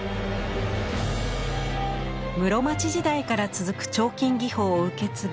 室町時代から続く彫金技法を受け継ぐ